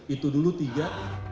itu dulu tiga